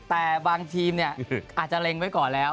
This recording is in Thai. แต่บางทีมเนี่ยอาจจะเล็งไว้ก่อนแล้ว